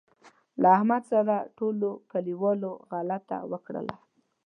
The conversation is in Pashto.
له احمد سره ټولوکلیوالو غلطه وکړله.